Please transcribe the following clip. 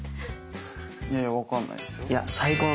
いやいや分かんないですよ。